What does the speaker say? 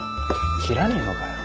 切らねえのかよ。